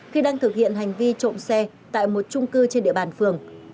khi đang thực hiện hành vi trộm xe tại một trung cư trên địa bàn phường